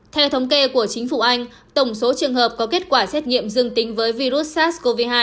theo thống kê của chính phủ anh tổng số trường hợp có kết quả xét nghiệm dương tính với virus sars cov hai